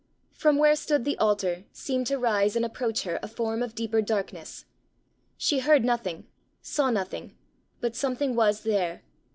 From where stood the altar, seemed to rise and approach her a form of deeper darkness. She heard nothing, saw nothing, but something was there.